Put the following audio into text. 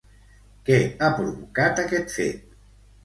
Què ha provocat aquest fet?